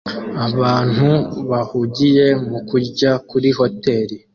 Abantu bahugiye mu kurya kuri hoteri